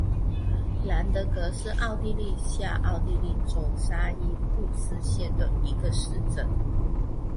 兰德格是奥地利下奥地利州沙伊布斯县的一个市镇。